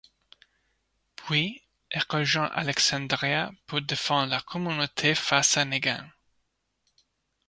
Puis, elle rejoint Alexandria pour défendre la communauté face à Negan.